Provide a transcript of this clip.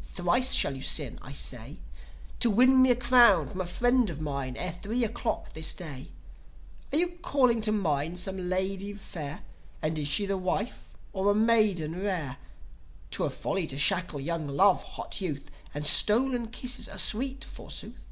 Thrice shall you sin, I say, To win me a crown from a friend of mine, Ere three o' the clock this day. Are you calling to mind some lady fair? And is she a wife or a maiden rare? 'Twere folly to shackle young love, hot Youth; And stolen kisses are sweet, forsooth!"